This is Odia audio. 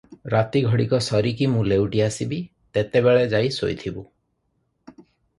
ରାତି ଘଡ଼ିକ ସରିକି ମୁଁ ଲେଉଟି ଆସିବି, ତେତେବେଳ ଯାଇ ଶୋଇଥିବୁ ।